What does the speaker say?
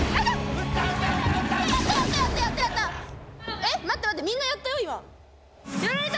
えっ、待って待って、みんなやったよ。